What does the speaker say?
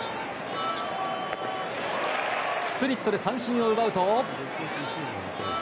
スプリットで三振を奪うと。